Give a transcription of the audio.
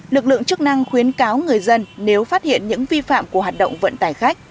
lực lượng chức năng khuyến cáo người dân nếu phát hiện những vi phạm của hoạt động vận tải khách